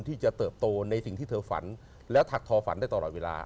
ที่จะเติบโตในสิ่งที่เธอฝันแล้วถักทอฝันได้ตลอดเวลา